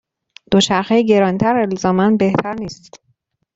دوچرخه گرانتر الزاما بهتر نیست.